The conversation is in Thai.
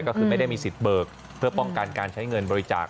ก็คือไม่ได้มีสิทธิ์เบิกเพื่อป้องกันการใช้เงินบริจาค